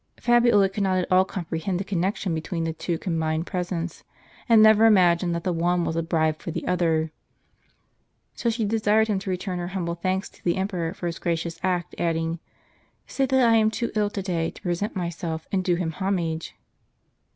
Fabiola could not at all comprehend the connection between the two combined presents, and never imagined that the one was a bribe for the other. So she desired him to return her humble thanks to the emperor for his gracious act; adding, "Say that I am too ill to day to present myself, and do him homage."